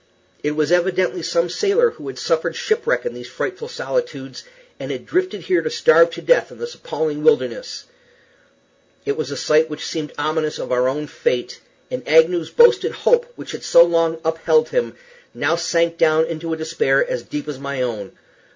It was evidently some sailor who had suffered shipwreck in these frightful solitudes, and had drifted here to starve to death in this appalling wilderness. It was a sight which seemed ominous of our own fate, and Agnew's boasted hope, which had so long upheld him, now sank down into a despair as deep as my own.